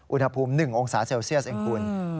อุณหภูมิ๑องศาเซลเซียสเองคุณ